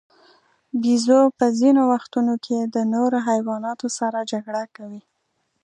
بیزو په ځینو وختونو کې د نورو حیواناتو سره جګړه کوي.